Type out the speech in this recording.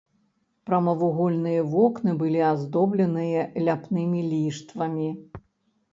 Прамавугольныя вокны былі аздобленыя ляпнымі ліштвамі.